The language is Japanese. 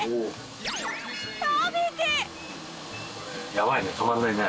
やばいね止まらないね。